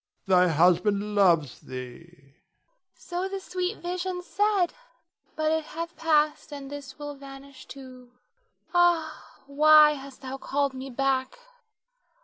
Thy husband loves thee. Nina. So the sweet vision said, but it hath passed, and this will vanish too. Ah, why hast thou called me back?